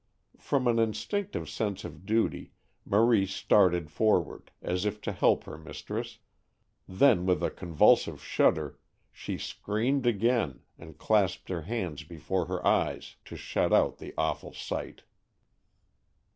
From an instinctive sense of duty, Marie started forward, as if to help her mistress, then with a convulsive shudder she screamed again and clasped her hands before her eyes to shut out the awful sight.